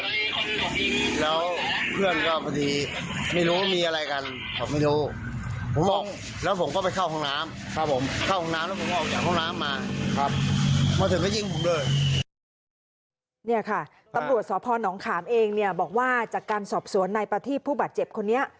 เนี่ยค่ะตำรวจสพนขามเองเนี่ยบอกว่าจากการสอบสวนนายประทีพผู้บาดเจ็บคนนี้